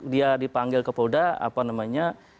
dia dipanggil kepada apa namanya